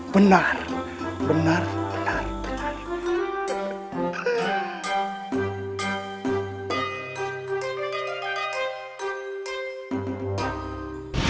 benar benar benar